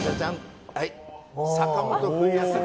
坂本冬休み。